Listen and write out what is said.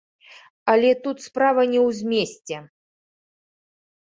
Але тут справа не ў змесце.